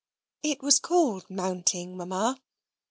"It was called mounting, Mamma.